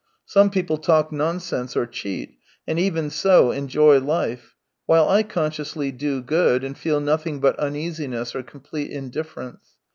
Some people talk nonsense or cheat, and even so enjoy life, while I consciously do good, and feel nothing but uneasiness or complete indifference.